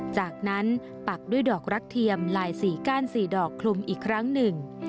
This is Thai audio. จากนั้นปักด้วยดอกรักเทียมลาย๔ก้าน๔ดอกคลุมอีกครั้งหนึ่ง